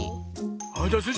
じゃあスイ